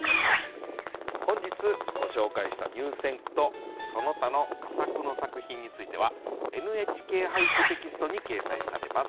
本日ご紹介した入選句とその他の佳作の作品については「ＮＨＫ俳句」テキストに掲載されます。